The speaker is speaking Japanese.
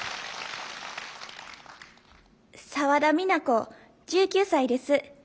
澤田美奈子１９歳です。